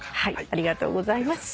ありがとうございます。